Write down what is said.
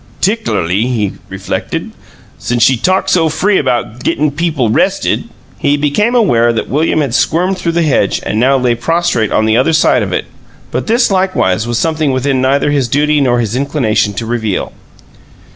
"'Tic'larly," he reflected, "since she talk so free about gittin' people 'rested!" He became aware that William had squirmed through the hedge and now lay prostrate on the other side of it, but this, likewise, was something within neither his duty nor his inclination to reveal.